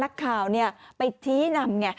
นักข่าวไปทีนำ